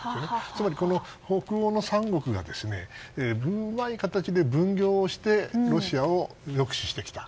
つまり北欧の３国がうまい形で分業をしてロシアを抑止してきた。